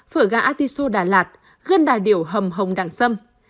phở gà artichoke đà lạt gân đà điểu hầm hồng đàng xâm